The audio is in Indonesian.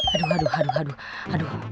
aduh aduh aduh aduh aduh